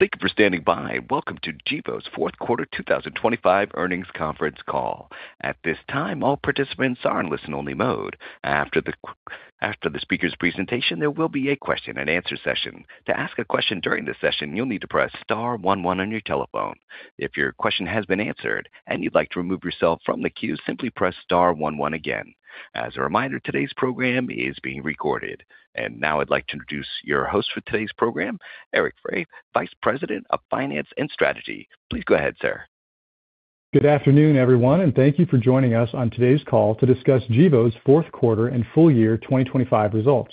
Thank you for standing by. Welcome to Gevo's fourth quarter 2025 earnings conference call. At this time, all participants are in listen-only mode. After the speaker's presentation, there will be a question-and-answer session. To ask a question during the session, you'll need to press star one one on your telephone. If your question has been answered and you'd like to remove yourself from the queue, simply press star one one again. As a reminder, today's program is being recorded. Now I'd like to introduce your host for today's program, Eric Frey, Vice President of Finance and Strategy. Please go ahead, sir. Good afternoon, everyone. Thank you for joining us on today's call to discuss Gevo's fourth quarter and full year 2025 results.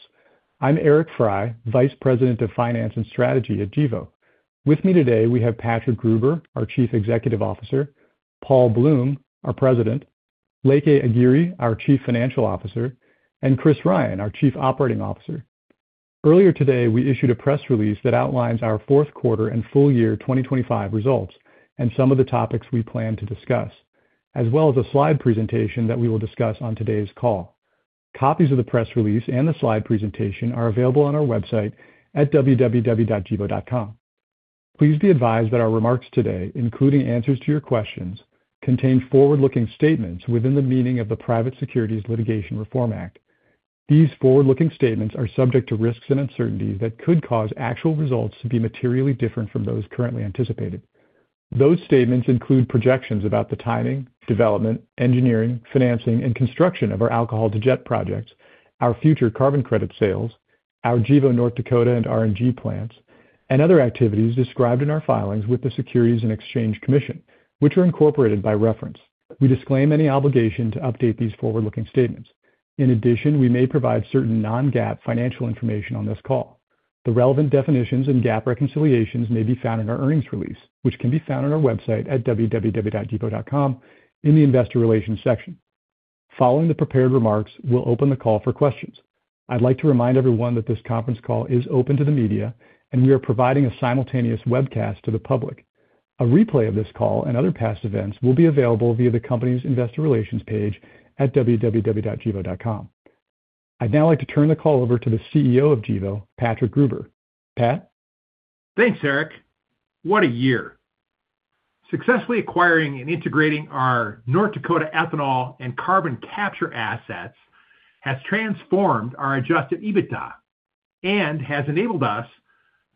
I'm Eric Frey, Vice President of Finance and Strategy at Gevo. With me today, we have Patrick Gruber, our Chief Executive Officer, Paul Bloom, our President, Leke Agiri, our Chief Financial Officer, and Chris Ryan, our Chief Operating Officer. Earlier today, we issued a press release that outlines our fourth quarter and full year 2025 results and some of the topics we plan to discuss, as well as a slide presentation that we will discuss on today's call. Copies of the press release and the slide presentation are available on our website at www.gevo.com. Please be advised that our remarks today, including answers to your questions, contain forward-looking statements within the meaning of the Private Securities Litigation Reform Act. These forward-looking statements are subject to risks and uncertainties that could cause actual results to be materially different from those currently anticipated. Those statements include projections about the timing, development, engineering, financing, and construction of our Alcohol-to-Jet projects, our future carbon credit sales, our Gevo North Dakota and RNG plants, and other activities described in our filings with the Securities and Exchange Commission, which are incorporated by reference. We disclaim any obligation to update these forward-looking statements. In addition, we may provide certain non-GAAP financial information on this call. The relevant definitions and GAAP reconciliations may be found in our earnings release, which can be found on our website at www.gevo.com in the investor relations section. Following the prepared remarks, we'll open the call for questions. I'd like to remind everyone that this conference call is open to the media, and we are providing a simultaneous webcast to the public. A replay of this call and other past events will be available via the company's investor relations page at www.gevo.com. I'd now like to turn the call over to the CEO of Gevo, Patrick Gruber. Pat. Thanks, Eric. What a year. Successfully acquiring and integrating our North Dakota ethanol and carbon capture assets has transformed our Adjusted EBITDA and has enabled us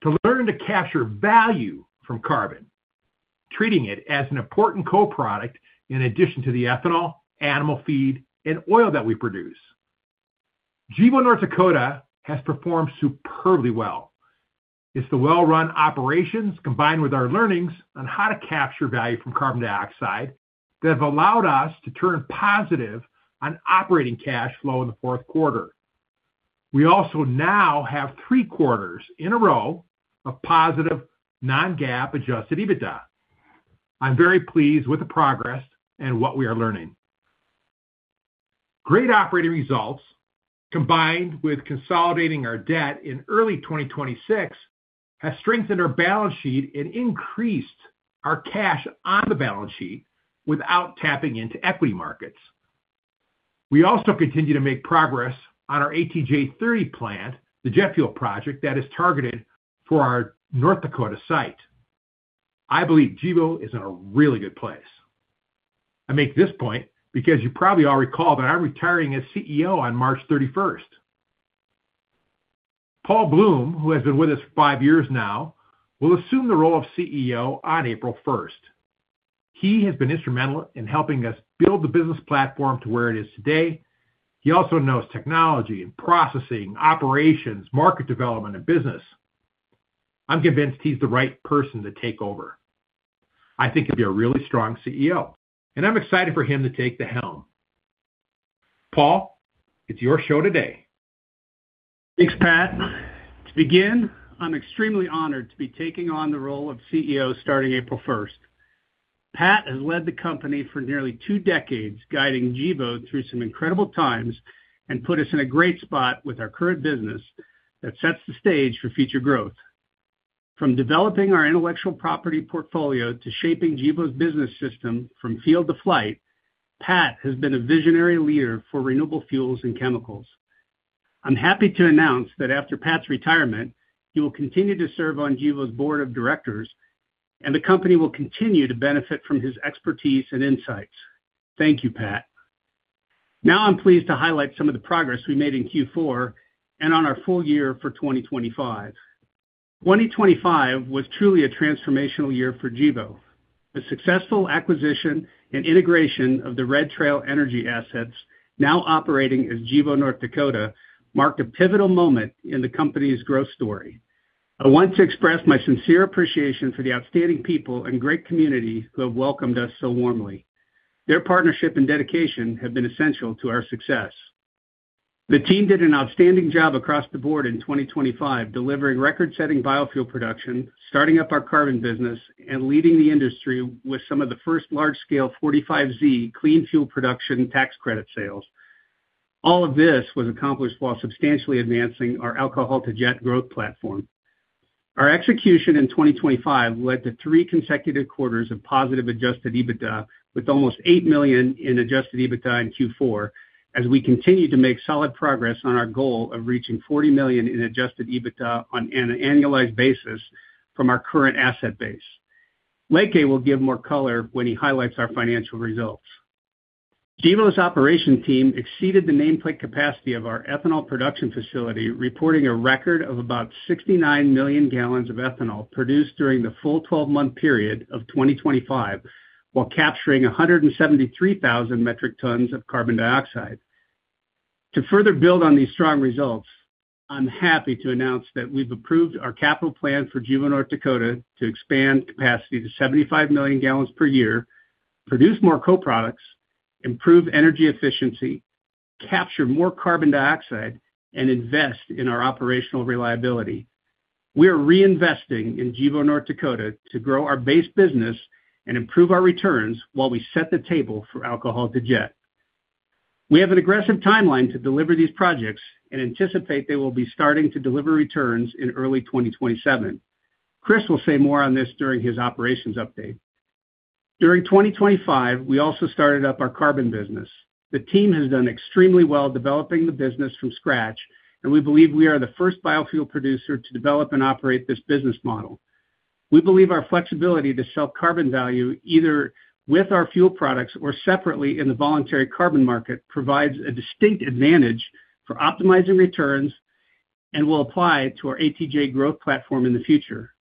to learn to capture value from carbon, treating it as an important co-product in addition to the ethanol, animal feed, and oil that we produce. Gevo North Dakota has performed superbly well. It's the well-run operations combined with our learnings on how to capture value from carbon dioxide that have allowed us to turn positive on operating cash flow in the fourth quarter. We also now have three quarters in a row of positive non-GAAP Adjusted EBITDA. I'm very pleased with the progress and what we are learning. Great operating results combined with consolidating our debt in early 2026 has strengthened our balance sheet and increased our cash on the balance sheet without tapping into equity markets. We also continue to make progress on our ATJ-30 plant, the jet fuel project that is targeted for our North Dakota site. I believe Gevo is in a really good place. I make this point because you probably all recall that I'm retiring as CEO on March 31st. Paul Bloom, who has been with us for five years now, will assume the role of CEO on April 1st. He has been instrumental in helping us build the business platform to where it is today. He also knows technology and processing, operations, market development, and business. I'm convinced he's the right person to take over. I think he'll be a really strong CEO, and I'm excited for him to take the helm. Paul, it's your show today. Thanks, Pat. To begin, I'm extremely honored to be taking on the role of CEO starting April 1st. Pat has led the company for nearly two decades, guiding Gevo through some incredible times and put us in a great spot with our current business that sets the stage for future growth. From developing our intellectual property portfolio to shaping Gevo's business system from field to flight, Pat has been a visionary leader for renewable fuels and chemicals. I'm happy to announce that after Pat's retirement, he will continue to serve on Gevo's Board of Directors, and the company will continue to benefit from his expertise and insights. Thank you, Pat. Now I'm pleased to highlight some of the progress we made in Q4 and on our full year for 2025. 2025 was truly a transformational year for Gevo. The successful acquisition and integration of the Red Trail Energy assets, now operating as Gevo North Dakota, marked a pivotal moment in the company's growth story. I want to express my sincere appreciation for the outstanding people and great community who have welcomed us so warmly. Their partnership and dedication have been essential to our success. The team did an outstanding job across the board in 2025, delivering record-setting biofuel production, starting up our Carbon business, and leading the industry with some of the first large-scale 45Z clean fuel production tax credit sales. All of this was accomplished while substantially advancing our Alcohol-to-Jet growth platform. Our execution in 2025 led to three consecutive quarters of positive Adjusted EBITDA, with almost $8 million in Adjusted EBITDA in Q4 as we continue to make solid progress on our goal of reaching $40 million in Adjusted EBITDA on an annualized basis from our current asset base. Leke will give more color when he highlights our financial results. Gevo's operation team exceeded the nameplate capacity of our ethanol production facility, reporting a record of about 69 million gallons of ethanol produced during the full 12-month period of 2025, while capturing 173,000 metric tons of carbon dioxide. To further build on these strong results, I'm happy to announce that we've approved our capital plan for Gevo North Dakota to expand capacity to 75 million gallons per year, produce more co-products, improve energy efficiency, capture more carbon dioxide, and invest in our operational reliability. We are reinvesting in Gevo North Dakota to grow our base business and improve our returns while we set the table for Alcohol-to-Jet. We have an aggressive timeline to deliver these projects and anticipate they will be starting to deliver returns in early 2027. Chris will say more on this during his operations update. During 2025, we also started up our Carbon business. The team has done extremely well developing the business from scratch, and we believe we are the first biofuel producer to develop and operate this business model. We believe our flexibility to sell carbon value, either with our fuel products or separately in the voluntary carbon market, provides a distinct advantage for optimizing returns and will apply to our ATJ growth platform in the future.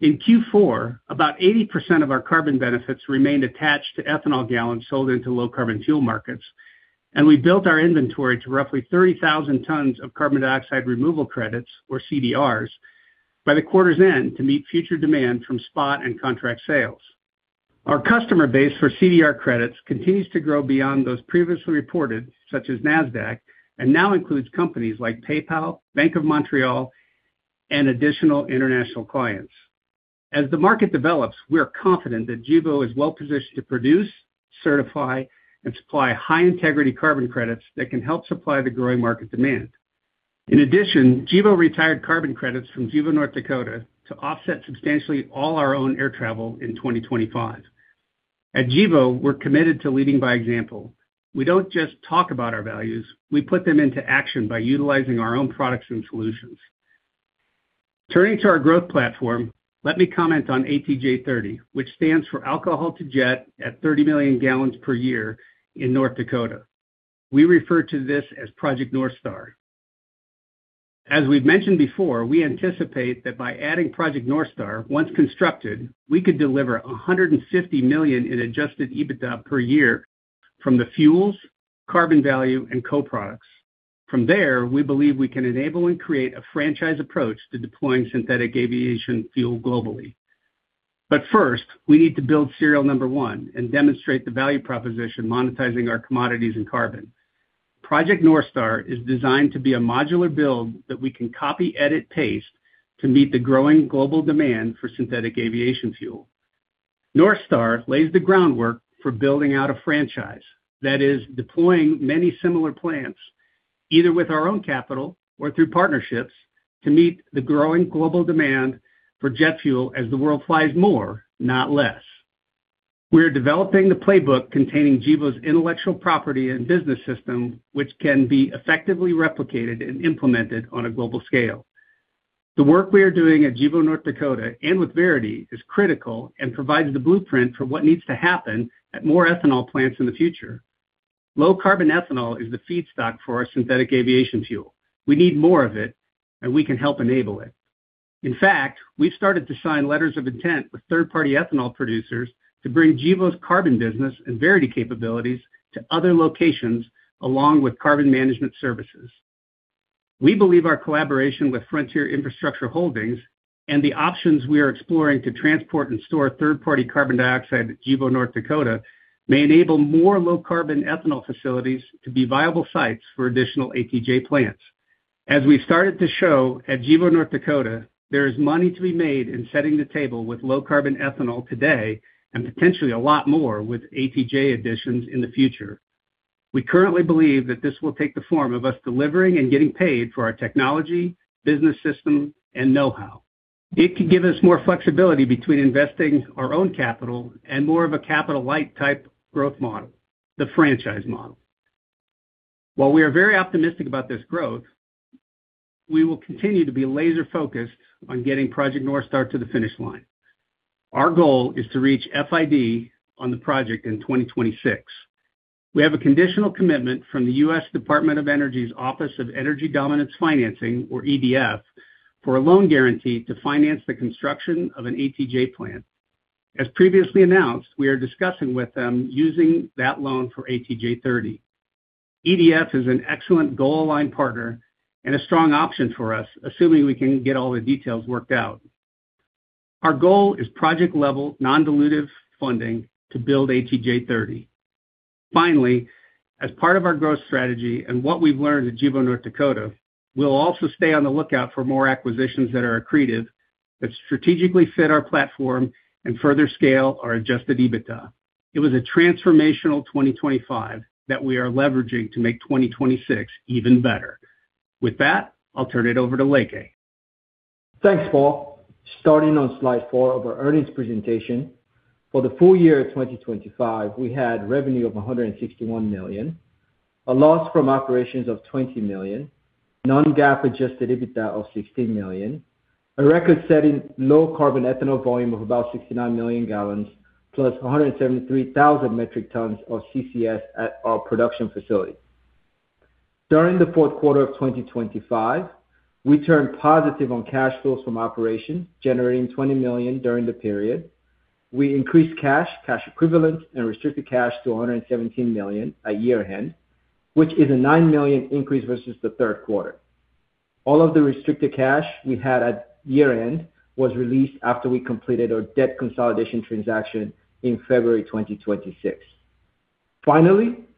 In Q4, about 80% of our carbon benefits remained attached to ethanol gallons sold into low-carbon fuel markets, and we built our inventory to roughly 30,000 tons of Carbon Dioxide Removal credits, or CDRs, by the quarter's end to meet future demand from spot and contract sales. Our customer base for CDR credits continues to grow beyond those previously reported, such as Nasdaq, and now includes companies like PayPal, Bank of Montreal, and additional international clients. As the market develops, we are confident that Gevo is well-positioned to produce, certify, and supply high-integrity carbon credits that can help supply the growing market demand. In addition, Gevo retired carbon credits from Gevo North Dakota to offset substantially all our own air travel in 2025. At Gevo, we're committed to leading by example. We don't just talk about our values, we put them into action by utilizing our own products and solutions. Turning to our growth platform, let me comment on ATJ-30, which stands for Alcohol-to-Jet at 30 million gallons per year in North Dakota. We refer to this as Project North Star. As we've mentioned before, we anticipate that by adding Project North Star, once constructed, we could deliver $150 million in Adjusted EBITDA per year from the fuels, carbon value, and co-products. First, we believe we can enable and create a franchise approach to deploying synthetic aviation fuel globally. First, we need to build serial number one and demonstrate the value proposition, monetizing our commodities and carbon. Project North Star is designed to be a modular build that we can copy, edit, paste to meet the growing global demand for synthetic aviation fuel. North Star lays the groundwork for building out a franchise. That is, deploying many similar plants, either with our own capital or through partnerships, to meet the growing global demand for jet fuel as the world flies more, not less. We are developing the playbook containing Gevo's intellectual property and business system, which can be effectively replicated and implemented on a global scale. The work we are doing at Gevo North Dakota and with Verity is critical and provides the blueprint for what needs to happen at more ethanol plants in the future. Low-carbon ethanol is the feedstock for our synthetic aviation fuel. We need more of it, and we can help enable it. In fact, we've started to sign letters of intent with third-party ethanol producers to bring Gevo's Carbon business and Verity capabilities to other locations, along with carbon management services. We believe our collaboration with Frontier Infrastructure Holdings and the options we are exploring to transport and store third-party carbon dioxide at Gevo North Dakota may enable more low-carbon ethanol facilities to be viable sites for additional ATJ plants. As we started to show at Gevo North Dakota, there is money to be made in setting the table with low-carbon ethanol today and potentially a lot more with ATJ additions in the future. We currently believe that this will take the form of us delivering and getting paid for our technology, business system, and know-how. It could give us more flexibility between investing our own capital and more of a capital-light type growth model, the franchise model. While we are very optimistic about this growth, we will continue to be laser-focused on getting Project North Star to the finish line. Our goal is to reach FID on the project in 2026. We have a conditional commitment from the U.S. Department of Energy's Office of Energy Dominance Financing, or EDF, for a loan guarantee to finance the construction of an ATJ plant. As previously announced, we are discussing with them using that loan for ATJ-30. EDF is an excellent goal-aligned partner and a strong option for us, assuming we can get all the details worked out. Our goal is project-level, non-dilutive funding to build ATJ-30. As part of our growth strategy and what we've learned at Gevo North Dakota, we'll also stay on the lookout for more acquisitions that are accretive, that strategically fit our platform and further scale our Adjusted EBITDA. It was a transformational 2025 that we are leveraging to make 2026 even better. I'll turn it over to Leke. Thanks, Paul. Starting on slide four of our earnings presentation. For the full year of 2025, we had revenue of $161 million, a loss from operations of $20 million, non-GAAP Adjusted EBITDA of $16 million, a record-setting low-carbon ethanol volume of about 69 million gallons, plus 173,000 metric tons of CCS at our production facility. During the fourth quarter of 2025, we turned positive on cash flows from operation, generating $20 million during the period. We increased cash equivalents, and restricted cash to $117 million at year-end, which is a $9 million increase versus the third quarter. All of the restricted cash we had at year-end was released after we completed our debt consolidation transaction in February 2026.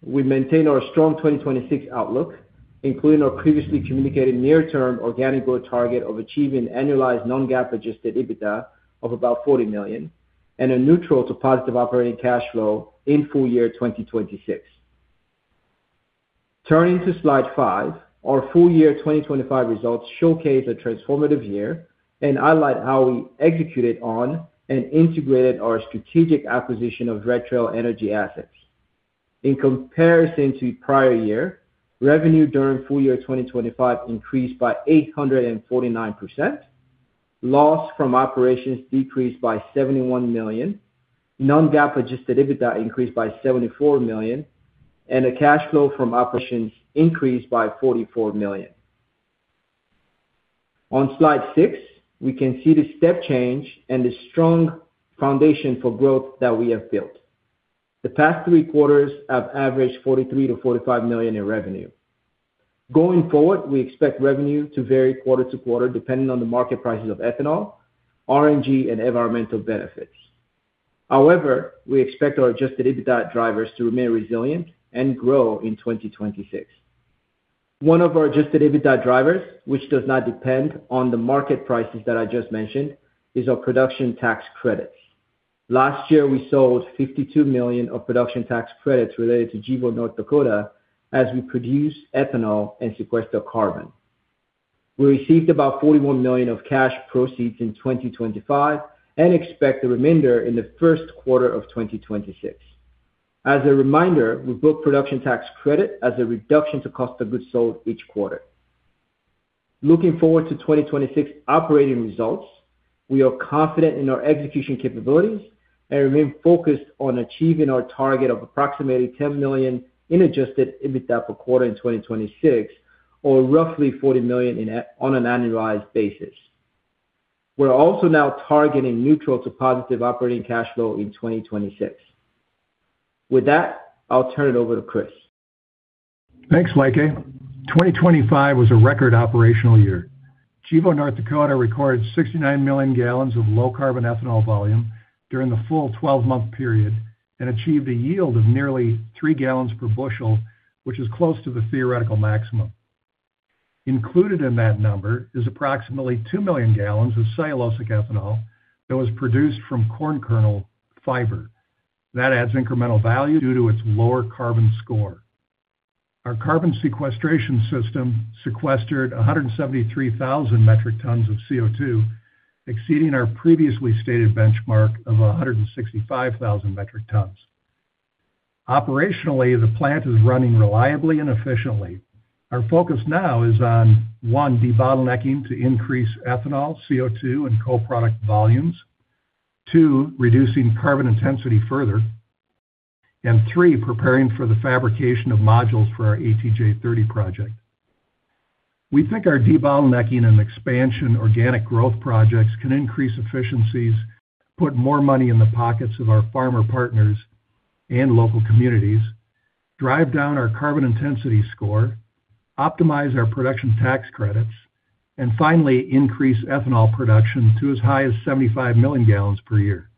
We maintained our strong 2026 outlook, including our previously communicated near term organic growth target of achieving annualized non-GAAP Adjusted EBITDA of about $40 million and a neutral to positive operating cash flow in full year 2026. Turning to slide five. Our full year 2025 results showcase a transformative year and highlight how we executed on and integrated our strategic acquisition of Red Trail Energy assets. In comparison to prior year, revenue during full year 2025 increased by 849%. Loss from operations decreased by $71 million. Non-GAAP Adjusted EBITDA increased by $74 million, and the cash flow from operations increased by $44 million. On slide six, we can see the step change and the strong foundation for growth that we have built. The past three quarters have averaged $43 million-$45 million in revenue. Going forward, we expect revenue to vary quarter-to-quarter, depending on the market prices of ethanol, RNG and environmental benefits. We expect our Adjusted EBITDA drivers to remain resilient and grow in 2026. One of our Adjusted EBITDA drivers, which does not depend on the market prices that I just mentioned, is our Production Tax Credit. Last year, we sold $52 million of Production Tax Credit related to Gevo North Dakota as we produce ethanol and sequester carbon. We received about $41 million of cash proceeds in 2025 and expect the remainder in the first quarter of 2026. As a reminder, we book Production Tax Credit as a reduction to cost of goods sold each quarter. Looking forward to 2026 operating results, we are confident in our execution capabilities and remain focused on achieving our target of approximately $10 million in Adjusted EBITDA per quarter in 2026 or roughly $40 million on an annualized basis. We're also now targeting neutral to positive operating cash flow in 2026. With that, I'll turn it over to Chris. Thanks, Leke. 2025 was a record operational year. Gevo North Dakota recorded 69 million gallons of low-carbon ethanol volume during the full 12-month period and achieved a yield of nearly three gallons per bushel, which is close to the theoretical maximum. Included in that number is approximately 2 million gallons of cellulosic ethanol that was produced from corn kernel fiber. That adds incremental value due to its lower carbon score. Our carbon sequestration system sequestered 173,000 metric tons of CO2, exceeding our previously stated benchmark of 165,000 metric tons. Operationally, the plant is running reliably and efficiently. Our focus now is on, one, debottlenecking to increase ethanol, CO2, and co-product volumes. Two, reducing carbon intensity further. Three, preparing for the fabrication of modules for our ATJ-30 project. We think our debottlenecking and expansion organic growth projects can increase efficiencies, put more money in the pockets of our farmer partners and local communities, drive down our carbon intensity score, optimize our production tax credits, and finally increase ethanol production to as high as 75 million gallons per year.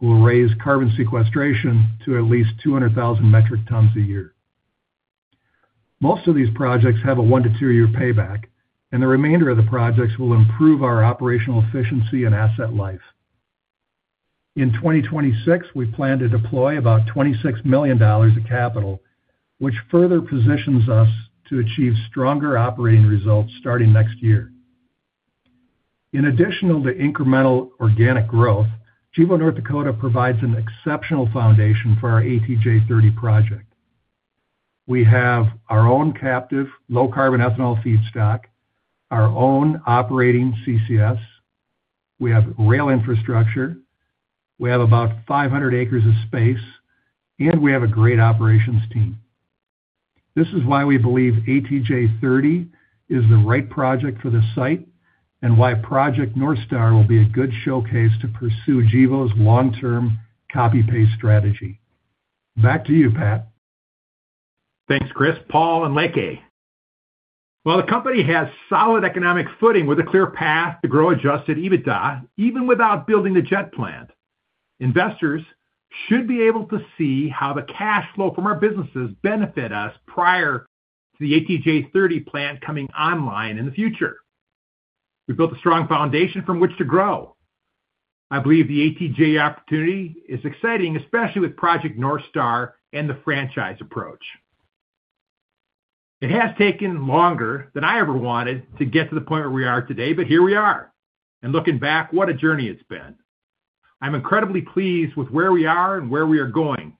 We'll raise carbon sequestration to at least 200,000 metric tons a year. Most of these projects have a one-two year payback, and the remainder of the projects will improve our operational efficiency and asset life. In 2026, we plan to deploy about $26 million of capital, which further positions us to achieve stronger operating results starting next year. In addition to incremental organic growth, Gevo North Dakota provides an exceptional foundation for our ATJ-30 project. We have our own captive low-carbon ethanol feedstock, our own operating CCS, we have rail infrastructure, we have about 500 acres of space, and we have a great operations team. This is why we believe ATJ-30 is the right project for the site, and why Project North Star will be a good showcase to pursue Gevo's long-term copy paste strategy. Back to you, Pat. Thanks, Chris, Paul, and Leke. While the company has solid economic footing with a clear path to grow Adjusted EBITDA even without building the jet plant, investors should be able to see how the cash flow from our businesses benefit us prior to the ATJ-30 plant coming online in the future. We built a strong foundation from which to grow. I believe the ATJ opportunity is exciting, especially with Project North Star and the franchise approach. It has taken longer than I ever wanted to get to the point where we are today, but here we are. Looking back, what a journey it's been. I'm incredibly pleased with where we are and where we are going.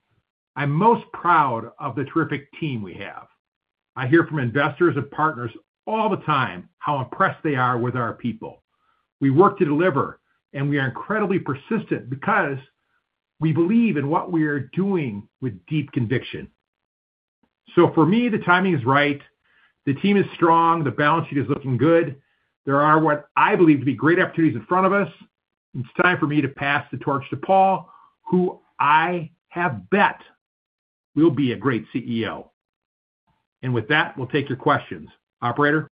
I'm most proud of the terrific team we have. I hear from investors and partners all the time how impressed they are with our people. We work to deliver, and we are incredibly persistent because we believe in what we are doing with deep conviction. For me, the timing is right. The team is strong. The balance sheet is looking good. There are what I believe to be great opportunities in front of us. It's time for me to pass the torch to Paul, who I have bet will be a great CEO. With that, we'll take your questions. Operator?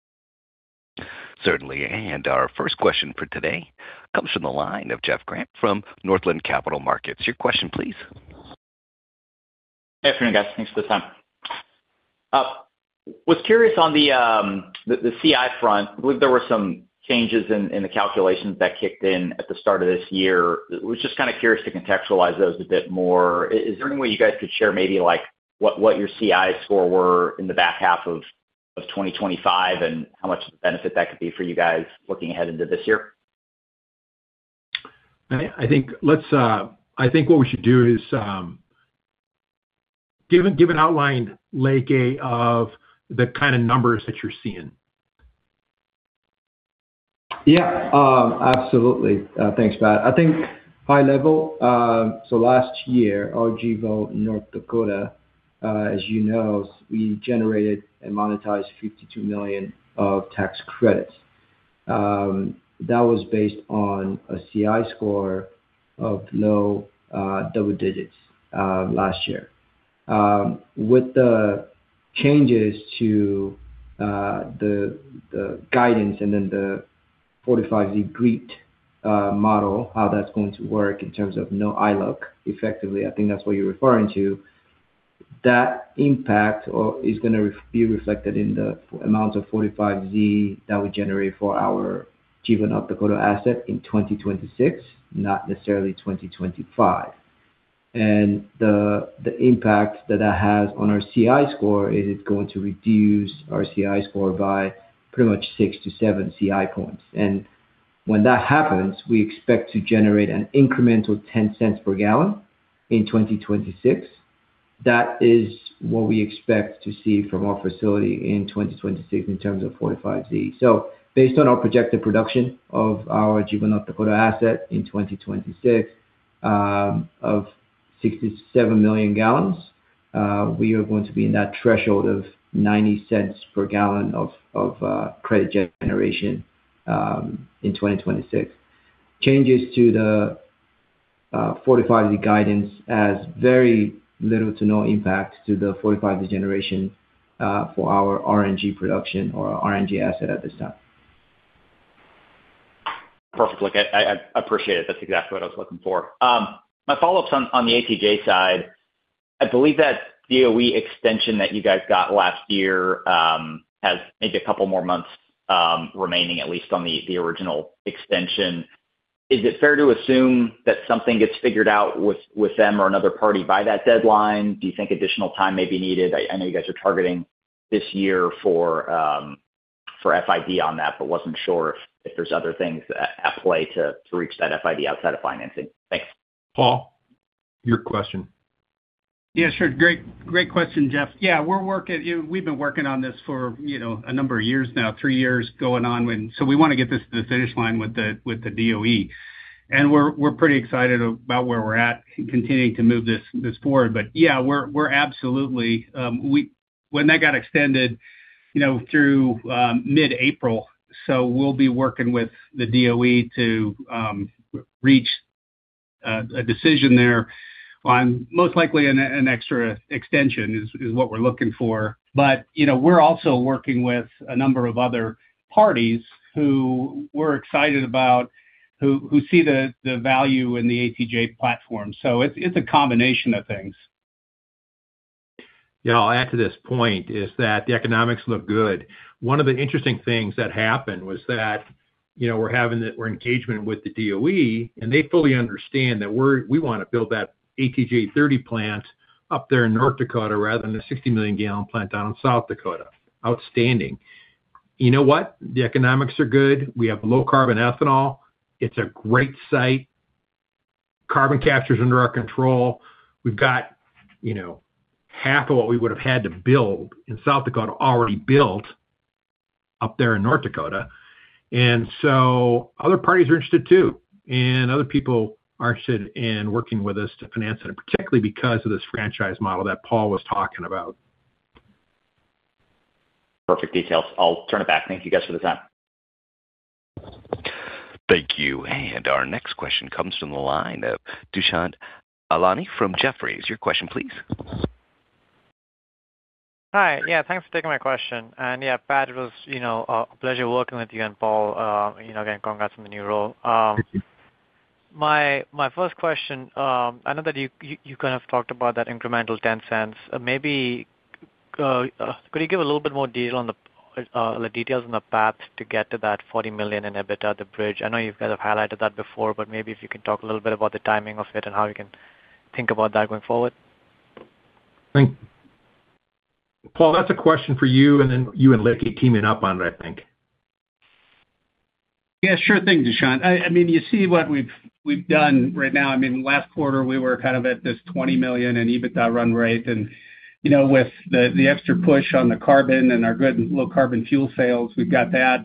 Certainly. Our first question for today comes from the line of Jeff Grampp from Northland Capital Markets. Your question, please. Good afternoon, guys. Thanks for the time. Was curious on the CI front. I believe there were some changes in the calculations that kicked in at the start of this year. Was just kinda curious to contextualize those a bit more. Is there any way you guys could share maybe, like, what your CI score were in the back half of 2025, and how much of a benefit that could be for you guys looking ahead into this year? I think what we should do is give an outline, Leke, of the kinda numbers that you're seeing. Yeah, absolutely. Thanks, Pat. I think high level, last year, our Gevo North Dakota, as you know, we generated and monetized $52 million of tax credits. That was based on a CI score of low, double-digits, last year. With the changes to the guidance and then the 45Z-GREET model, how that's going to work in terms of no iLUC, effectively, I think that's what you're referring to. That impact is going to be reflected in the amount of 45Z that we generate for our Gevo North Dakota asset in 2026, not necessarily 2025. The impact that that has on our CI score is it's going to reduce our CI score by pretty much six to seven CI points. When that happens, we expect to generate an incremental $0.10 per gallon in 2026. That is what we expect to see from our facility in 2026 in terms of 45Z. Based on our projected production of our Gevo North Dakota asset in 2026, of 67 million gallons, we are going to be in that threshold of $0.90 per gallon of credit generation in 2026. Changes to the 45Z guidance has very little to no impact to the 45Z generation for our RNG production or our RNG asset at this time. Perfect, Leke. I appreciate it. That's exactly what I was looking for. My follow-up's on the ATJ side. I believe that DOE extension that you guys got last year has maybe couple more months remaining, at least on the original extension. Is it fair to assume that something gets figured out with them or another party by that deadline? Do you think additional time may be needed? I know you guys are targeting this year for FID on that, but wasn't sure if there's other things at play to reach that FID outside of financing. Thanks. Paul, your question. Yeah, sure. Great, great question, Jeff. Yeah, we've been working on this for, you know, a number of years now, three years going on. We wanna get this to the finish line with the DOE. We're pretty excited about where we're at in continuing to move this forward. Yeah, we're absolutely. When that got extended, you know, through mid-April, we'll be working with the DOE to reach a decision there on most likely an extra extension is what we're looking for. You know, we're also working with a number of other parties who we're excited about, who see the value in the ATJ platform. It's a combination of things. Yeah, I'll add to this point is that the economics look good. One of the interesting things that happened was that, you know, we're in engagement with the DOE, they fully understand that we wanna build that ATJ 30 plant up there in North Dakota rather than a 60 million gallon plant down in South Dakota. Outstanding. You know what? The economics are good. We have low-carbon ethanol. It's a great site. Carbon capture's under our control. We've got, you know, half of what we would've had to build in South Dakota already built up there in North Dakota. Other parties are interested too, and other people are interested in working with us to finance it, particularly because of this franchise model that Paul was talking about. Perfect details. I'll turn it back. Thank you guys for the time. Thank you. Our next question comes from the line of Dushyant Ailani from Jefferies. Your question, please. Hi. Yeah, thanks for taking my question. Yeah, Pat, it was, you know, a pleasure working with you and Paul. You know, again, congrats on the new role. Thank you. My first question, I know that you kind of talked about that incremental $0.10. Maybe, could you give a little bit more detail on the details on the path to get to that $40 million in EBITDA, the bridge? I know you guys have highlighted that before. Maybe if you could talk a little bit about the timing of it and how you can think about that going forward. Paul, that's a question for you and then you and Leke teaming up on it, I think. Yeah, sure thing, Dushyant. I mean, you see what we've done right now. I mean, last quarter we were kind of at this $20 million in EBITDA run rate. You know, with the extra push on the carbon and our good low-carbon fuel sales, we've got that,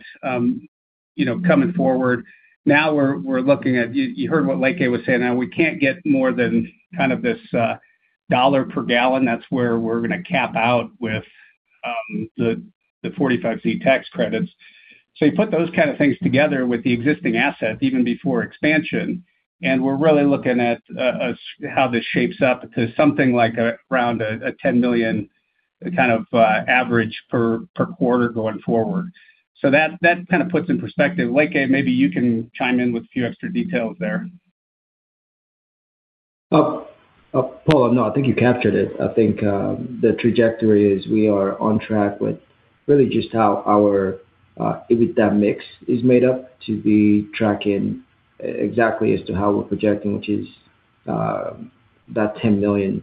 you know, coming forward. Now we're looking at. You heard what Leke was saying. Now we can't get more than kind of this $1 per gallon. That's where we're gonna cap out with the 45Z tax credits. You put those kind of things together with the existing assets even before expansion, and we're really looking at how this shapes up to something like around a $10 million kind of average per quarter going forward. That kind of puts in perspective. Leke, maybe you can chime in with a few extra details there. Paul, no, I think you captured it. I think the trajectory is we are on track with really just how our EBITDA mix is made up to be tracking exactly as to how we're projecting, which is that $10 million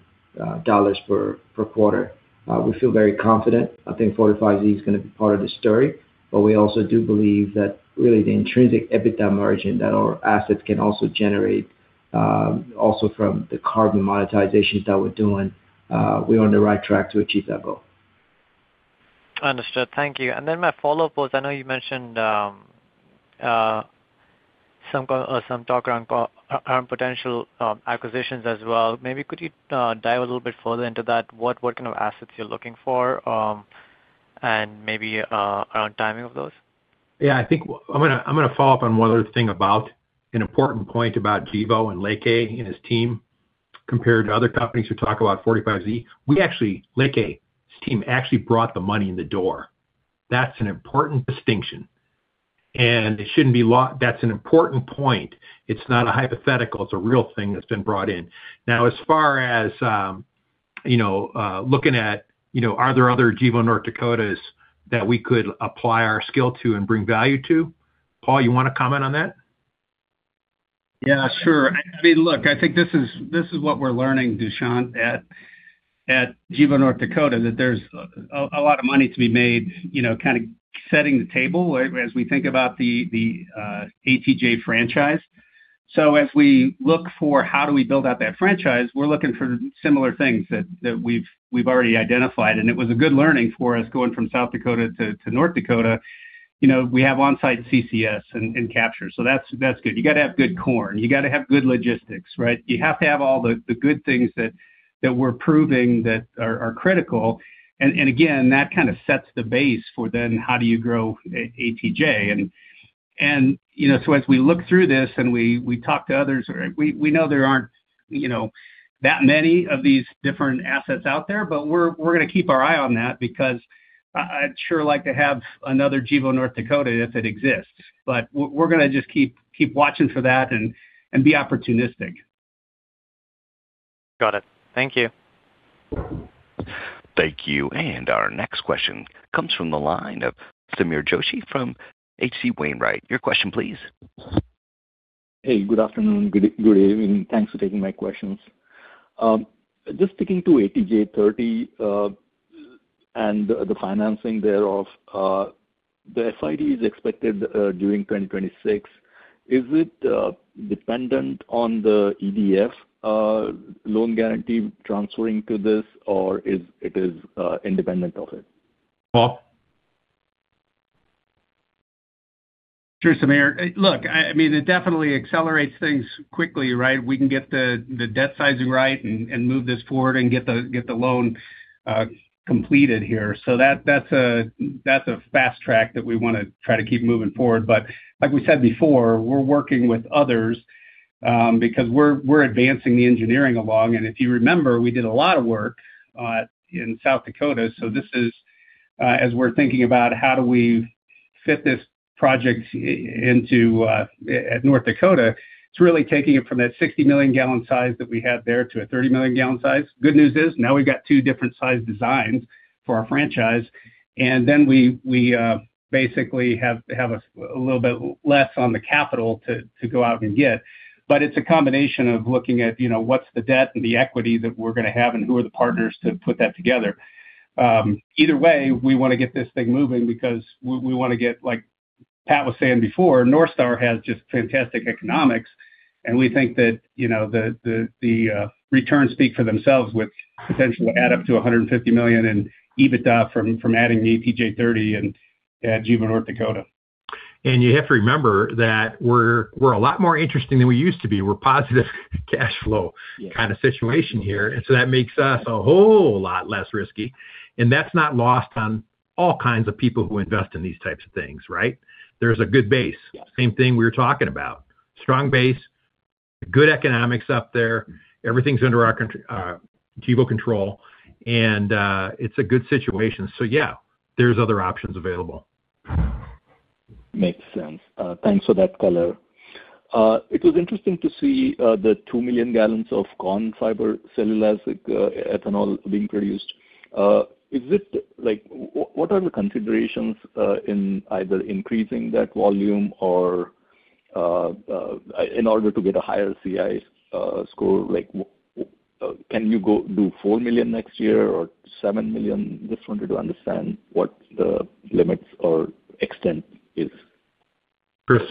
per quarter. We feel very confident. I think 45Z is gonna be part of the story, but we also do believe that really the intrinsic EBITDA margin that our assets can also generate, also from the carbon monetizations that we're doing, we're on the right track to achieve that goal. Understood. Thank you. My follow-up was, I know you mentioned, some talk around potential acquisitions as well. Maybe could you dive a little bit further into that? What kind of assets you're looking for, and maybe around timing of those? Yeah, I think I'm gonna follow up on one other thing about an important point about Gevo and Leke and his team compared to other companies who talk about 45Z. Leke's team actually brought the money in the door. That's an important distinction, it shouldn't be. That's an important point. It's not a hypothetical. It's a real thing that's been brought in. As far as, you know, looking at, you know, are there other Gevo North Dakotas that we could apply our skill to and bring value to? Paul, you wanna comment on that? Yeah, sure. I mean, look, I think this is what we're learning, Dushyant, at Gevo North Dakota, that there's a lot of money to be made, you know, kind of setting the table as we think about the ATJ franchise. As we look for how do we build out that franchise, we're looking for similar things that we've already identified. It was a good learning for us going from South Dakota to North Dakota. You know, we have on-site CCS and capture, so that's good. You gotta have good corn, you gotta have good logistics, right? You have to have all the good things that we're proving that are critical. Again, that kind of sets the base for then how do you grow ATJ. You know, so as we look through this and we talk to others, we know there aren't, you know, that many of these different assets out there, but we're gonna keep our eye on that because I'd sure like to have another Gevo North Dakota if it exists. We're gonna just keep watching for that and be opportunistic. Got it. Thank you. Thank you. Our next question comes from the line of Sameer Joshi from H.C. Wainwright. Your question, please. Hey, good afternoon. Good evening. Thanks for taking my questions. Just sticking to ATJ-30, and the financing thereof, the FID is expected during 2026. Is it dependent on the EDF loan guarantee transferring to this, or is it independent of it? Paul? Sure, Sameer. Look, I mean, it definitely accelerates things quickly, right? We can get the debt sizing right and move this forward and get the loan completed here. That's a fast track that we want to try to keep moving forward. Like we said before, we're working with others, because we're advancing the engineering along. If you remember, we did a lot of work in South Dakota. This is, as we're thinking about how do we fit this project into at North Dakota, it's really taking it from that 60 million gallon size that we had there to a 30 million gallon size. Good news is now we've got two different size designs for our franchise, and then we basically have a little bit less on the capital to go out and get. It's a combination of looking at, you know, what's the debt and the equity that we're gonna have, and who are the partners to put that together. Either way, we wanna get this thing moving because we wanna get, like Pat was saying before, North Star has just fantastic economics, and we think that, you know, the returns speak for themselves, which potentially add up to $150 million in EBITDA from adding the ATJ-30 and at Gevo North Dakota. You have to remember that we're a lot more interesting than we used to be. We're positive cash flow. Yeah. Kind of situation here. That makes us a whole lot less risky. That's not lost on all kinds of people who invest in these types of things, right? There's a good base. Yes. Same thing we were talking about. Strong base, good economics up there. Everything's under our Gevo control, it's a good situation. Yeah, there's other options available. Makes sense. Thanks for that color. It was interesting to see the 2 million gallons of corn fiber cellulosic ethanol being produced. Is it like what are the considerations in either increasing that volume or in order to get a higher CI score, like can you go do 4 million next year or 7 million? Just wanted to understand what the limits or extent is. Chris.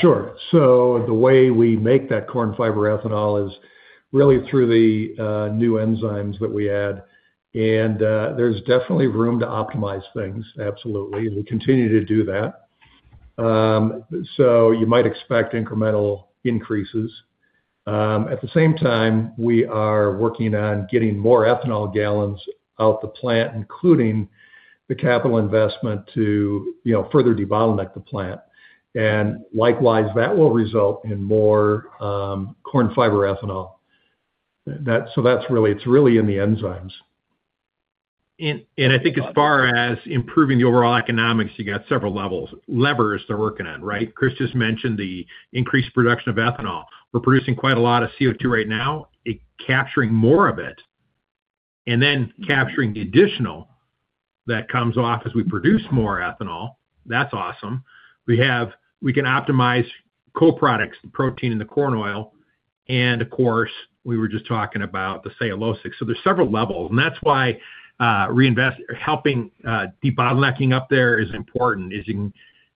Sure. The way we make that corn fiber ethanol is really through the new enzymes that we add. There's definitely room to optimize things, absolutely. We continue to do that. You might expect incremental increases. At the same time, we are working on getting more ethanol gallons out the plant, including the capital investment to, you know, further debottleneck the plant. Likewise, that will result in more corn fiber ethanol. That's really, it's really in the enzymes. I think as far as improving the overall economics, you got several levers they're working on, right? Chris just mentioned the increased production of ethanol. We're producing quite a lot of CO2 right now, capturing more of it, and then capturing the additional that comes off as we produce more ethanol. That's awesome. We can optimize co-products, the protein and the corn oil, and of course we were just talking about the cellulosic. There's several levels, and that's why helping debottlenecking up there is important, is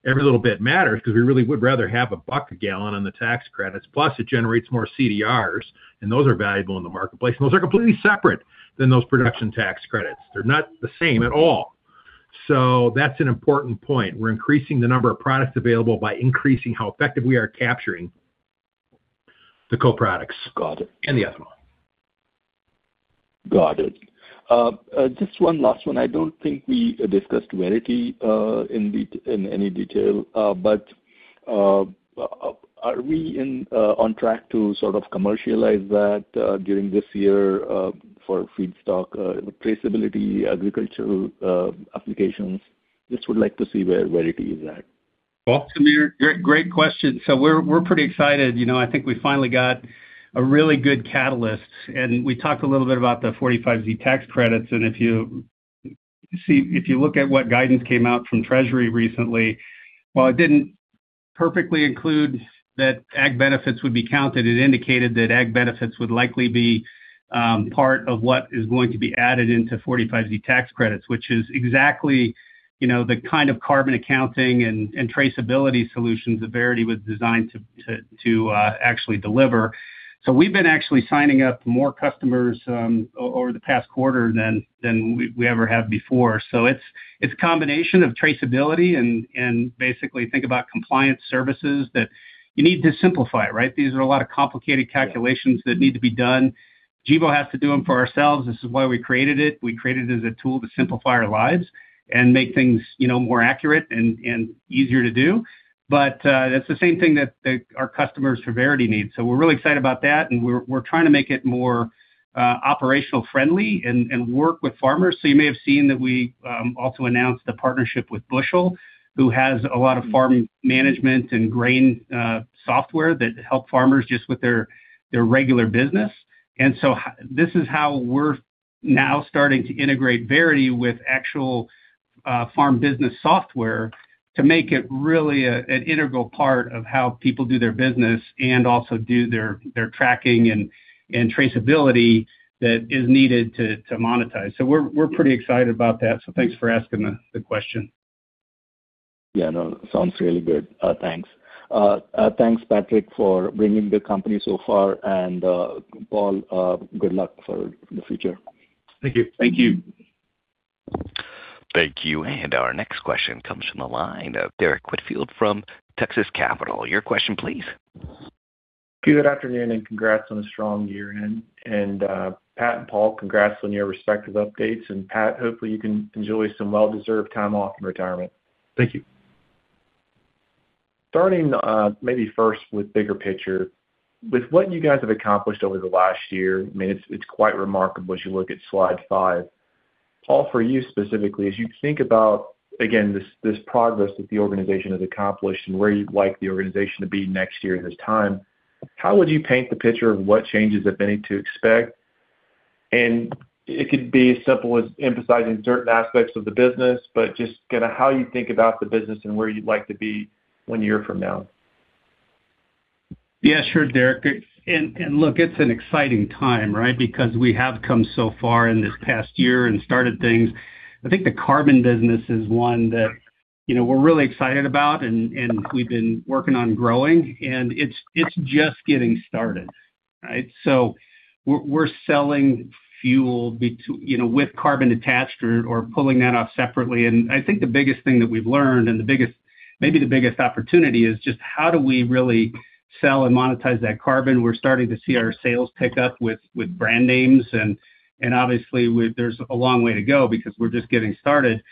every little bit matters 'cause we really would rather have $1 a gallon on the tax credits, plus it generates more CDRs, and those are valuable in the marketplace. Those are completely separate than those Production Tax Credit. They're not the same at all. That's an important point. We're increasing the number of products available by increasing how effective we are at capturing the co-products. Got it. The ethanol. Got it. Just one last one. I don't think we discussed Verity, in any detail. Are we on track to sort of commercialize that during this year for feedstock traceability, agricultural applications? Just would like to see where Verity is at. Paul? Sure. Great question. We're pretty excited. You know, I think we finally got a really good catalyst. We talked a little bit about the 45B tax credits. If you look at what guidance came out from Treasury recently, while it didn't perfectly include that ag benefits would be counted, it indicated that ag benefits would likely be part of what is going to be added into 45B tax credits, which is exactly, you know, the kind of carbon accounting and traceability solutions that Verity was designed to actually deliver. We've been actually signing up more customers over the past quarter than we ever have before. It's a combination of traceability and basically think about compliance services that you need to simplify, right? These are a lot of complicated calculations that need to be done. Gevo has to do them for ourselves. This is why we created it. We created it as a tool to simplify our lives and make things, you know, more accurate and easier to do. That's the same thing that our customers for Verity need. We're really excited about that, and we're trying to make it more operational friendly and work with farmers. You may have seen that we also announced a partnership with Bushel, who has a lot of farm management and grain software that help farmers just with their regular business. This is how we're now starting to integrate Verity with actual farm business software to make it really an integral part of how people do their business and also do their tracking and traceability that is needed to monetize. We're pretty excited about that, thanks for asking the question. Sounds really good. Thanks. Thanks Patrick, for bringing the company so far and, Paul, good luck for the future. Thank you. Thank you. Thank you. Our next question comes from the line of Derrick Whitfield from Texas Capital. Your question please. Good afternoon, and congrats on a strong year-end. Pat and Paul, congrats on your respective updates. Pat, hopefully you can enjoy some well-deserved time off in retirement. Thank you. Starting, maybe first with bigger picture, with what you guys have accomplished over the last year, I mean, it's quite remarkable as you look at slide five. Paul, for you specifically, as you think about, again, this progress that the organization has accomplished and where you'd like the organization to be next year at this time, how would you paint the picture of what changes have been to expect? It could be as simple as emphasizing certain aspects of the business, but just kinda how you think about the business and where you'd like to be one year from now. Yeah, sure, Derrick. Look, it's an exciting time, right? Because we have come so far in this past year and started things. I think the Carbon business is one that, you know, we're really excited about and we've been working on growing, and it's just getting started, right? We're, we're selling fuel, you know, with carbon attached or pulling that off separately. I think the biggest thing that we've learned and the biggest, maybe the biggest opportunity is just how do we really sell and monetize that carbon? We're starting to see our sales pick up with brand names, and obviously there's a long way to go because we're just getting started.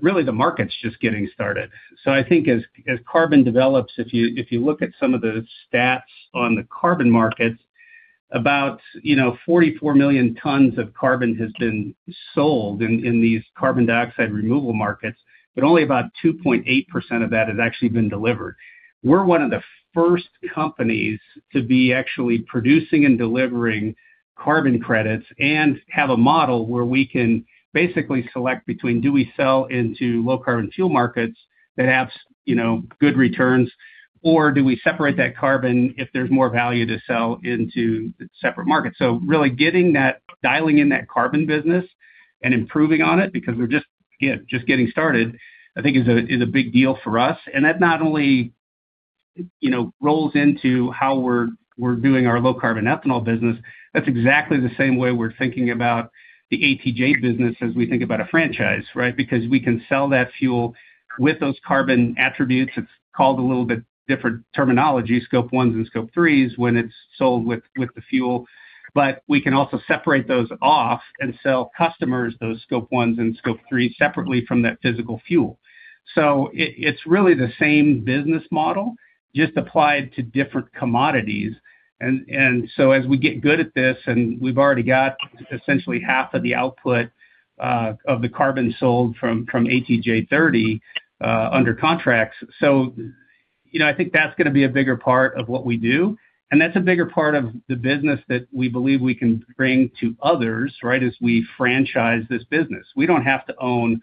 Really the market's just getting started. I think as carbon develops, if you, if you look at some of the stats on the carbon markets, about, you know, 44 million tons of carbon has been sold in these Carbon Dioxide Removal markets, but only about 2.8% of that has actually been delivered. We're one of the first companies to be actually producing and delivering Carbon credits and have a model where we can basically select between do we sell into low-carbon fuel markets that have you know, good returns, or do we separate that carbon if there's more value to sell into separate markets. Really dialing in that Carbon business and improving on it because we're just, again, just getting started, I think is a, is a big deal for us. That not only, you know, rolls into how we're doing our low-carbon ethanol business, that's exactly the same way we're thinking about the ATJ business as we think about a franchise, right? We can sell that fuel with those carbon attributes. It's called a little bit different terminology, Scope 1s and Scope 3s when it's sold with the fuel. We can also separate those off and sell customers those Scope 1s and Scope 3s separately from that physical fuel. It's really the same business model just applied to different commodities. As we get good at this, and we've already got essentially half of the output of the carbon sold from ATJ-30 under contracts. You know, I think that's gonna be a bigger part of what we do. That's a bigger part of the business that we believe we can bring to others, right, as we franchise this business. We don't have to own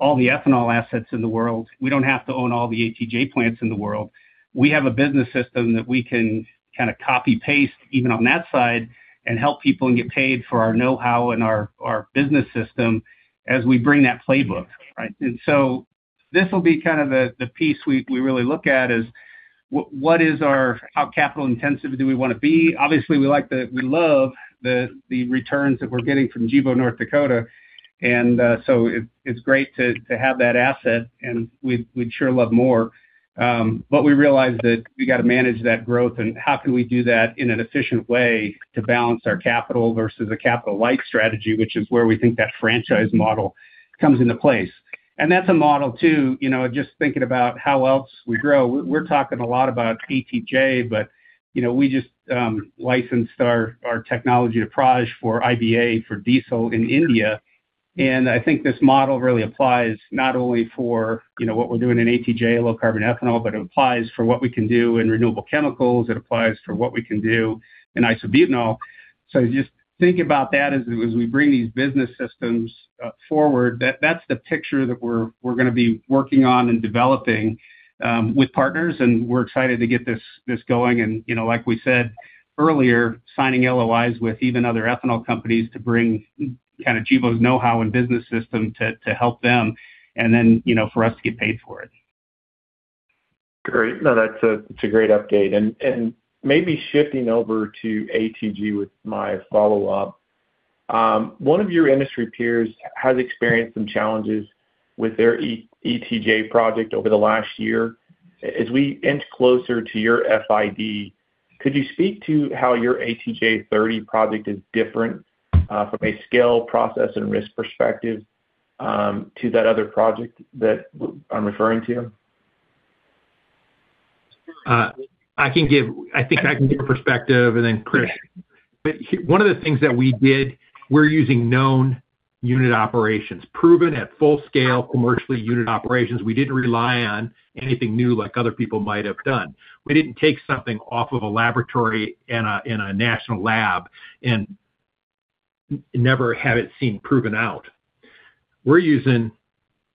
all the ethanol assets in the world. We don't have to own all the ATJ plants in the world. We have a business system that we can kinda copy-paste even on that side and help people and get paid for our know-how and our business system as we bring that playbook, right? This will be kind of the piece we really look at is how capital intensive do we wanna be? Obviously, we love the returns that we're getting from Gevo North Dakota. It's great to have that asset, and we'd sure love more. We realize that we gotta manage that growth, and how can we do that in an efficient way to balance our capital versus a capital-light strategy, which is where we think that franchise model comes into place. That's a model too, you know, just thinking about how else we grow. We're talking a lot about ATJ, you know, we just licensed our technology to Praj for IBA for diesel in India. I think this model really applies not only for, you know, what we're doing in ATJ, low-carbon ethanol, but it applies for what we can do in renewable chemicals. It applies for what we can do in isobutanol. Just think about that as we bring these business systems forward, that's the picture that we're gonna be working on and developing with partners, and we're excited to get this going. You know, like we said earlier, signing LOIs with even other ethanol companies to bring kinda Gevo's know-how and business system to help them and then, you know, for us to get paid for it. Great. No, that's a, it's a great update. Maybe shifting over to ATJ with my follow-up. One of your industry peers has experienced some challenges with their ATJ project over the last year. As we inch closer to your FID, could you speak to how your ATJ-30 project is different from a scale, process, and risk perspective to that other project that I'm referring to? I think I can give a perspective and then Chris. Here, one of the things that we did, we're using known unit operations, proven at full scale commercially unit operations. We didn't rely on anything new like other people might have done. We didn't take something off of a laboratory in a national lab and never have it seen proven out. We're using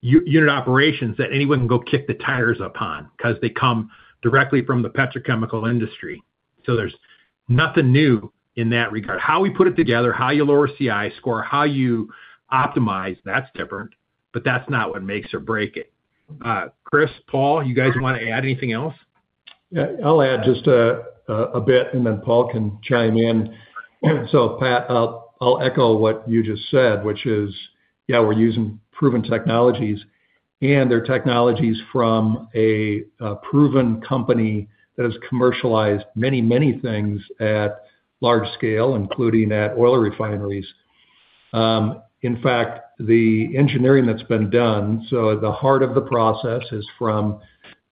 unit operations that anyone can go kick the tires upon 'cause they come directly from the petrochemical industry. There's nothing new in that regard. How we put it together, how you lower CI score, how you optimize, that's different, but that's not what makes or break it. Chris, Paul, you guys wanna add anything else? Yeah, I'll add just a bit and then Paul can chime in. Pat, I'll echo what you just said, which is, yeah, we're using proven technologies and they're technologies from a proven company that has commercialized many, many things at large scale, including at oil refineries. In fact, the engineering that's been done, so the heart of the process is from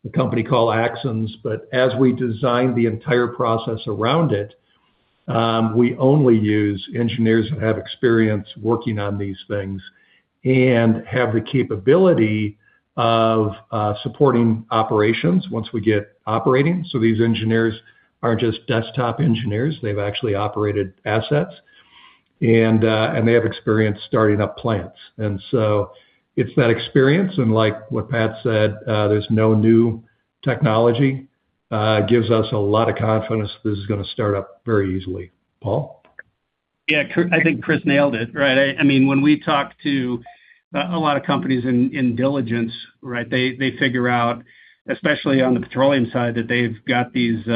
a company called Axens. As we design the entire process around it, we only use engineers that have experience working on these things and have the capability of supporting operations once we get operating. These engineers aren't just desktop engineers, they've actually operated assets and they have experience starting up plants. It's that experience and like what Pat said, there's no new technology, gives us a lot of confidence this is gonna start up very easily. Paul? I think Chris nailed it, right? I mean when we talk to a lot of companies in diligence, right? They figure out, especially on the petroleum side, that they've got these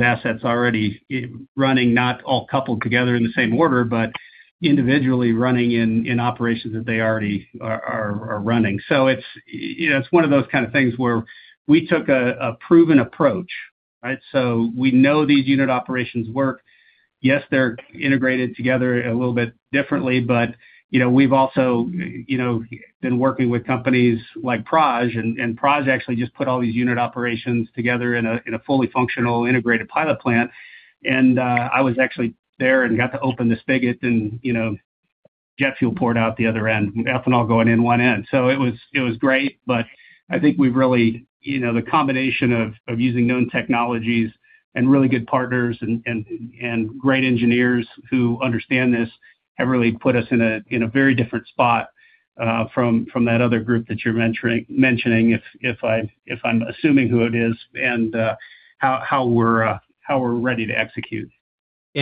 assets already running not all coupled together in the same order, but individually running in operations that they already are running. It's, you know, it's one of those kind of things where we took a proven approach, right? We know these unit operations work. Yes, they're integrated together a little bit differently, but, you know, we've also, you know, been working with companies like Praj. Praj actually just put all these unit operations together in a fully functional integrated pilot plant. I was actually there and got to open this spigot and, you know. Jet fuel poured out the other end, ethanol going in one end. It was great, but I think we've really, you know, the combination of using known technologies and really good partners and great engineers who understand this have really put us in a very different spot from that other group that you're mentioning, if I'm assuming who it is, and how we're ready to execute.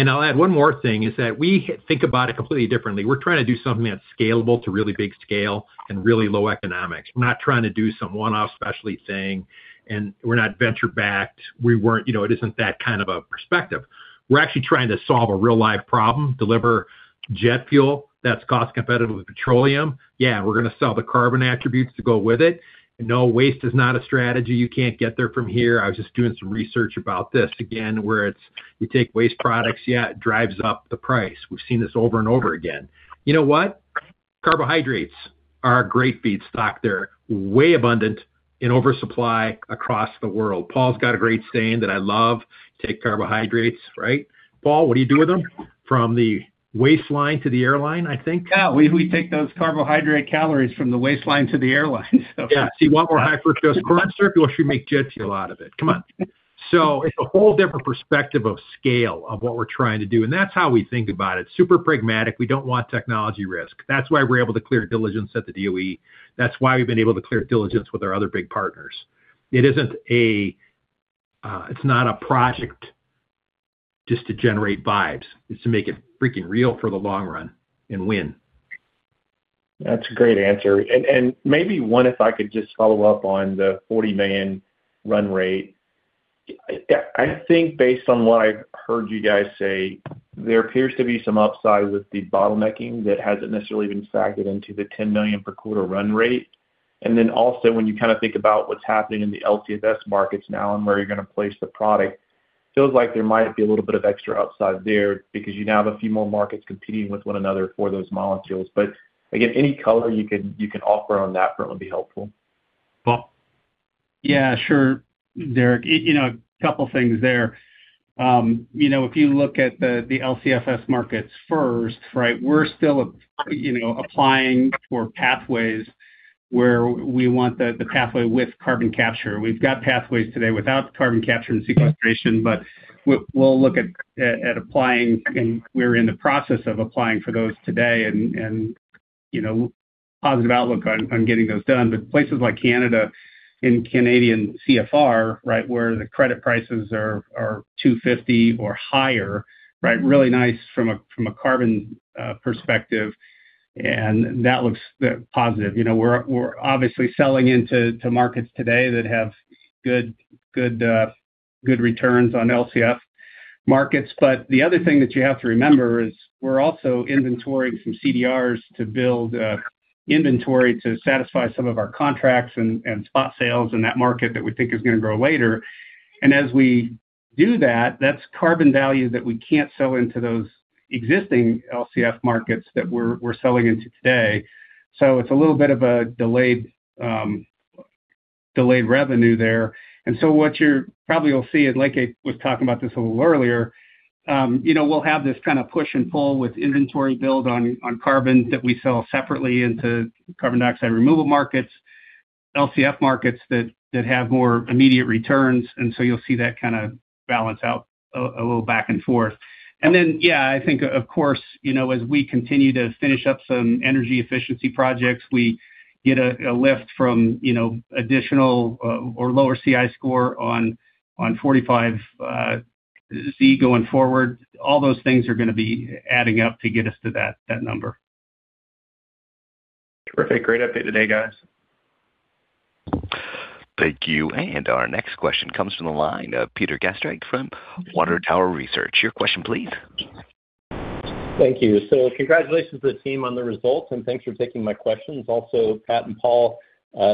I'll add one more thing, is that we think about it completely differently. We're trying to do something that's scalable to really big scale and really low economics. We're not trying to do some one-off specialty thing, and we're not venture-backed. We weren't, you know, it isn't that kind of a perspective. We're actually trying to solve a real-life problem, deliver jet fuel that's cost competitive with petroleum. We're gonna sell the carbon attributes to go with it. Waste is not a strategy. You can't get there from here. I was just doing some research about this again, where it's, you take waste products, it drives up the price. We've seen this over and over again. You know what? Carbohydrates are a great feedstock. They're way abundant in oversupply across the world. Paul's got a great saying that I love, take carbohydrates, right? Paul, what do you do with them? From the waistline to the airline, I think. Yeah. We take those carbohydrate calories from the waistline to the airlines. Yeah. See, one more high for those closed circle. Should we make jet fuel out of it? Come on. It's a whole different perspective of scale of what we're trying to do, and that's how we think about it. Super pragmatic. We don't want technology risk. That's why we're able to clear diligence at the DOE. That's why we've been able to clear diligence with our other big partners. It isn't a, it's not a project just to generate vibes. It's to make it freaking real for the long run and win. That's a great answer. Maybe one, if I could just follow up on the 40 million run rate. I think based on what I've heard you guys say, there appears to be some upside with the bottlenecking that hasn't necessarily been factored into the 10 million per quarter run rate. Also when you kind of think about what's happening in the LCFS markets now and where you're gonna place the product, feels like there might be a little bit of extra upside there because you now have a few more markets competing with one another for those molecules. Again, any color you can offer on that front would be helpful. Paul? Yeah, sure, Derrick. You know, a couple things there. You know, if you look at the LCFS markets first, right, we're still, you know, applying for pathways where we want the pathway with carbon capture. We've got pathways today without carbon capture and sequestration, but we'll look at applying, and we're in the process of applying for those today and, you know, positive outlook on getting those done. Places like Canada in Canadian CFR, right, where the credit prices are 250 or higher, right? Really nice from a carbon perspective, and that looks positive. You know, we're obviously selling into markets today that have good returns on LCF markets. The other thing that you have to remember is we're also inventorying some CDRs to build inventory to satisfy some of our contracts and spot sales in that market that we think is gonna grow later. As we do that's carbon value that we can't sell into those existing LCF markets that we're selling into today. It's a little bit of a delayed revenue there. What you probably will see, and Leke was talking about this a little earlier, you know, we'll have this kind of push and pull with inventory build on carbon that we sell separately into carbon dioxide removal markets, LCF markets that have more immediate returns. You'll see that kind of balance out a little back and forth. Then, yeah, I think of course, you know, as we continue to finish up some energy efficiency projects, we get a lift from, you know, additional or lower CI score on 45Z going forward. All those things are gonna be adding up to get us to that number. Terrific. Great update today, guys. Thank you. Our next question comes from the line of Peter Gastreich from Water Tower Research. Your question, please. Thank you. Congratulations to the team on the results, and thanks for taking my questions. Pat and Paul,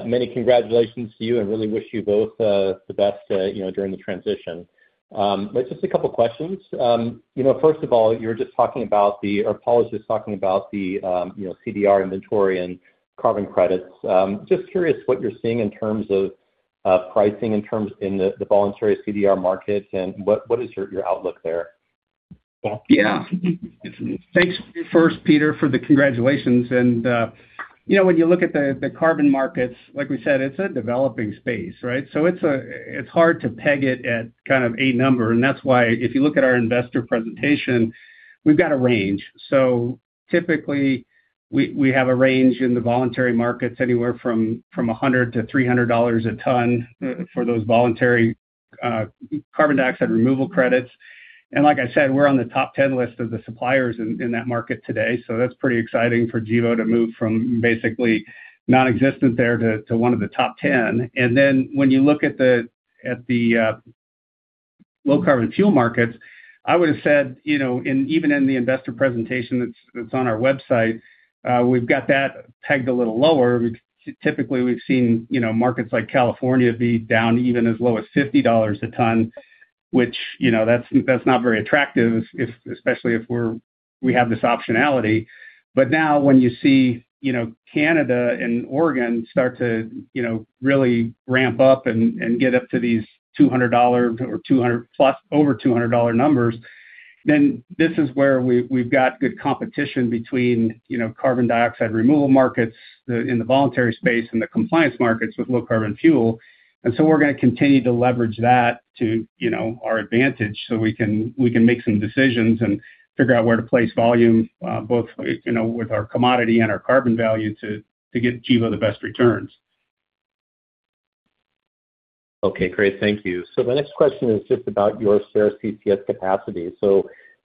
many congratulations to you and really wish you both, you know, the best, you know, during the transition. Just a couple questions. You know, first of all, you were just talking about the, or Paul was just talking about the, you know, CDR inventory and carbon credits. Just curious what you're seeing in terms of pricing, in terms in the voluntary CDR markets and what is your outlook there? Paul? Yeah. Thanks first, Peter, for the congratulations. You know, when you look at the carbon markets, like we said, it's a developing space, right? It's hard to peg it at kind of a number. That's why if you look at our investor presentation, we've got a range. Typically we have a range in the voluntary markets, anywhere from $100-$300 a ton- Mm-hmm.... for those voluntary, carbon dioxide removal credits. Like I said, we're on the top 10 list of the suppliers in that market today. That's pretty exciting for Gevo to move from basically nonexistent there to one of the top 10. When you look at the low-carbon fuel markets, I would've said, you know, in even in the investor presentation that's on our website, we've got that pegged a little lower. Typically, we've seen, you know, markets like California be down even as low as $50 a ton, which, you know, that's not very attractive if, especially if we're, we have this optionality. Now when you see, you know, Canada and Oregon start to, you know, really ramp up and get up to these $200 or $200+, over $200 numbers. This is where we've got good competition between, you know, carbon dioxide removal markets, the, in the voluntary space and the compliance markets with low-carbon fuel. So we're gonna continue to leverage that to, you know, our advantage so we can, we can make some decisions and figure out where to place volume, both, you know, with our commodity and our carbon value to give Gevo the best returns. Okay. Great. Thank you. The next question is just about your shares CCS capacity.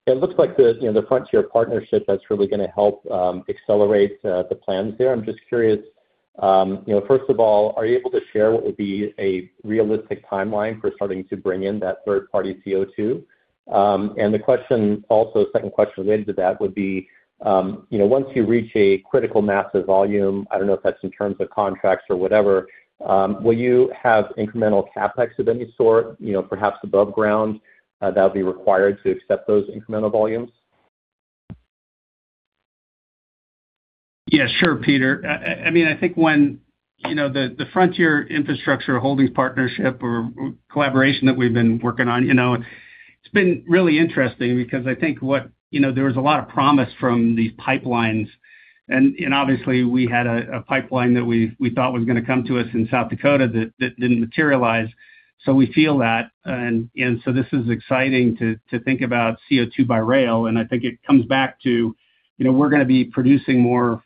It looks like the, you know, the Frontier partnership that's really gonna help accelerate the plans there. I'm just curious, you know, first of all, are you able to share what would be a realistic timeline for starting to bring in that third party CO2? The question also, second question related to that would be, you know, once you reach a critical mass of volume, I don't know if that's in terms of contracts or whatever, will you have incremental CapEx of any sort, you know, perhaps above ground, that would be required to accept those incremental volumes? Yeah. Sure, Peter. I mean, I think when, you know, the Frontier Infrastructure Holdings partnership or collaboration that we've been working on, you know, it's been really interesting because I think what, you know, there was a lot of promise from these pipelines. Obviously we had a pipeline that we thought was gonna come to us in South Dakota that didn't materialize. We feel that. This is exciting to think about CO2 by rail. I think it comes back to, you know, we're gonna be producing more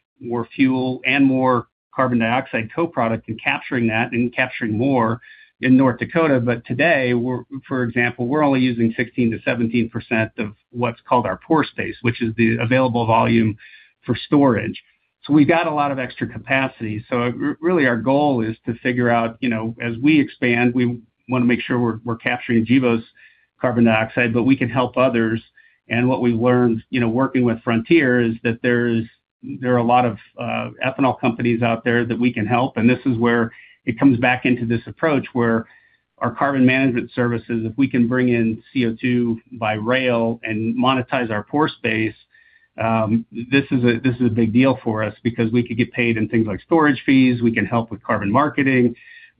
fuel and more carbon dioxide co-product and capturing that and capturing more in North Dakota. Today, for example, we're only using 16%-17% of what's called our pore space, which is the available volume for storage. We got a lot of extra capacity. Really our goal is to figure out, you know, as we expand, we wanna make sure we're capturing Gevo's carbon dioxide, but we can help others. What we learned, you know, working with Frontier is that there are a lot of ethanol companies out there that we can help, and this is where it comes back into this approach where our carbon management services, if we can bring in CO2 by rail and monetize our pore space, this is a big deal for us because we could get paid in things like storage fees. We can help with carbon marketing.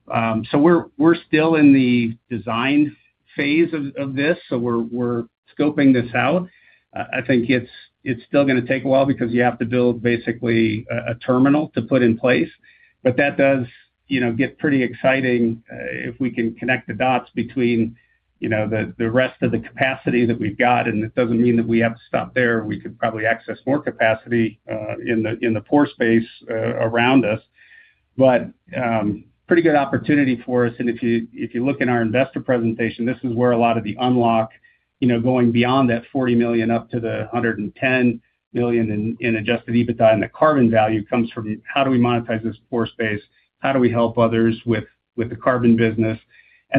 We're still in the design phase of this, so we're scoping this out. I think it's still gonna take a while because you have to build basically a terminal to put in place. That does, you know, get pretty exciting, if we can connect the dots between, you know, the rest of the capacity that we've got, and it doesn't mean that we have to stop there. We could probably access more capacity in the pore space around us. Pretty good opportunity for us. If you, if you look in our investor presentation, this is where a lot of the unlock, you know, going beyond that $40 million up to the $110 million in Adjusted EBITDA, and the carbon value comes from how do we monetize this pore space? How do we help others with the Carbon business?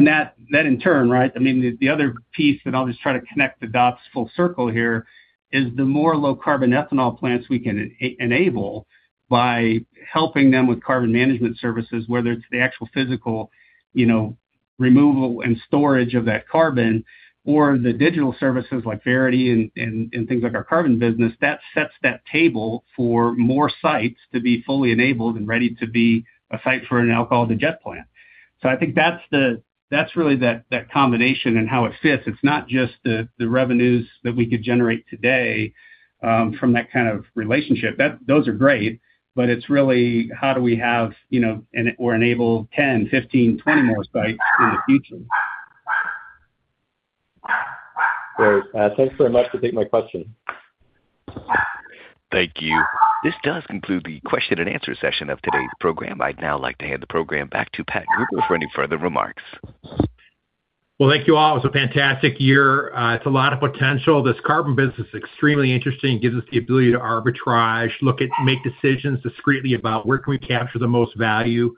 That, that in turn, right, I mean, the other piece, I'll just try to connect the dots full circle here, is the more low-carbon ethanol plants we can enable by helping them with carbon management services, whether it's the actual physical, you know, removal and storage of that carbon or the digital services like Verity and things like our Carbon business, that sets that table for more sites to be fully enabled and ready to be a site for an Alcohol-to-Jet plant. I think that's the, that's really that combination and how it fits. It's not just the revenues that we could generate today from that kind of relationship. Those are great, but it's really how do we have, you know, or enable 10, 15, 20 more sites in the future. Great. Thanks very much for taking my question. Thank you. This does conclude the question-and-answer session of today's program. I'd now like to hand the program back to Patrick Gruber for any further remarks. Well, thank you all. It was a fantastic year. It's a lot of potential. This Carbon business is extremely interesting. It gives us the ability to arbitrage, make decisions discreetly about where can we capture the most value.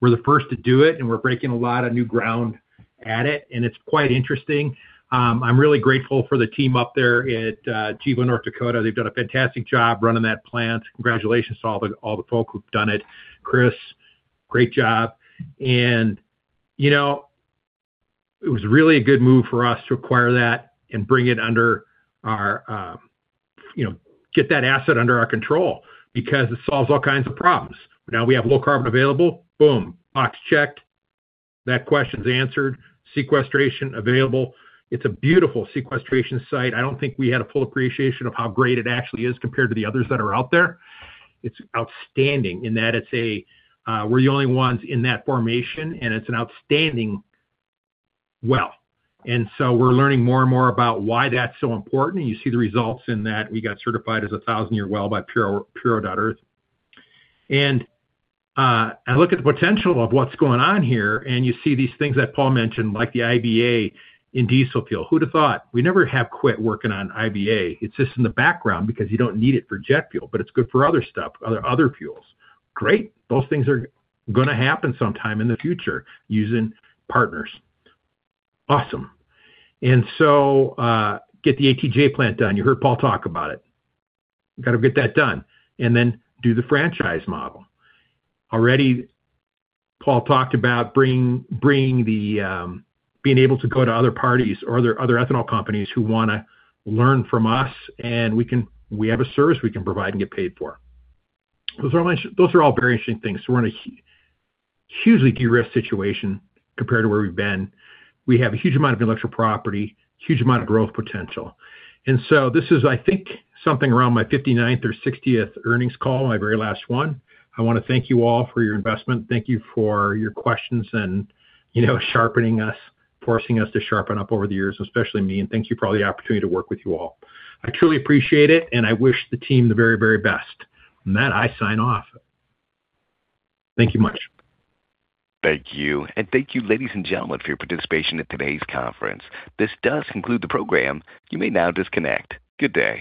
We're the first to do it, and we're breaking a lot of new ground at it, and it's quite interesting. I'm really grateful for the team up there at Gevo North Dakota. They've done a fantastic job running that plant. Congratulations to all the folk who've done it. Chris, great job. You know, it was really a good move for us to acquire that and bring it under our, you know, get that asset under our control because it solves all kinds of problems. Now we have low-carbon available. Boom. Box checked. That question's answered. Sequestration available. It's a beautiful sequestration site. I don't think we had a full appreciation of how great it actually is compared to the others that are out there. It's outstanding in that it's a, we're the only ones in that formation, and it's an outstanding well. We're learning more and more about why that's so important. You see the results in that we got certified as a 1,000-year well by Puro.earth. I look at the potential of what's going on here, and you see these things that Paul mentioned, like the IBA in diesel fuel. Who'd have thought? We never have quit working on IBA. It's just in the background because you don't need it for jet fuel, but it's good for other stuff, other fuels. Great. Those things are gonna happen sometime in the future using partners. Awesome. Get the ATJ plant done. You heard Paul talk about it. Gotta get that done. Then do the franchise model. Already Paul talked about bringing the being able to go to other parties or other ethanol companies who wanna learn from us, and we have a service we can provide and get paid for. Those are all very interesting things. We're in a hugely derisked situation compared to where we've been. We have a huge amount of intellectual property, huge amount of growth potential. So this is, I think, something around my 59th or 60th earnings call, my very last one. I wanna thank you all for your investment. Thank you for your questions and, you know, sharpening us, forcing us to sharpen up over the years, especially me. Thank you for all the opportunity to work with you all. I truly appreciate it, and I wish the team the very, very best. On that, I sign off. Thank you much. Thank you. Thank you, ladies and gentlemen, for your participation in today's conference. This does conclude the program. You may now disconnect. Good day.